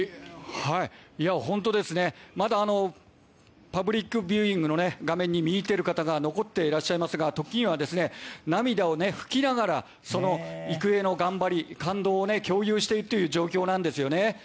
本当ですね、まだパブリックビューイングの画面に見入っている方が残っていらっしゃいますが時には、涙を拭きながら育英の頑張り感動を共有しているという状況なんですよね。